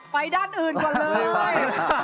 ไปด้านอื่นก่อนเลย